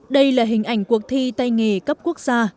đây là hình ảnh cuộc thi tay nghề cấp quốc gia